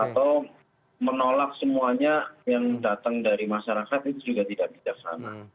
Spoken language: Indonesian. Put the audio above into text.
atau menolak semuanya yang datang dari masyarakat itu juga tidak bijaksana